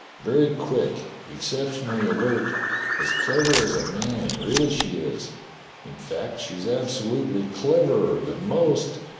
Very quick; exceptionally alert. As clever as a man, really she is. In fact, she's ab solutely cleverer than most.